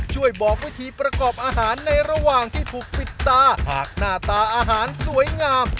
ช่วยบอกวิธีประกอบอาหารในระหว่างที่ถูกปิดตาหากหน้าตาอาหารสวยงาม